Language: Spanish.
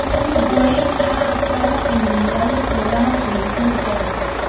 Weil ha actuado en innumerables programas de televisión y teatro.